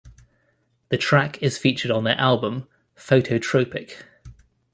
The track is featured on their album "Phototropic".